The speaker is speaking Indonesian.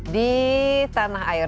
di tanah air